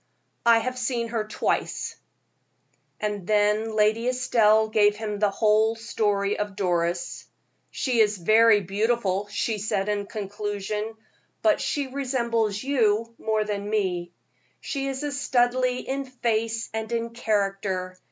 "I have seen her twice." And then Lady Estelle gave him the whole history of Doris. "She is very beautiful," she said, in conclusion, "but she resembles you more than me. She is a Studleigh in face and in character.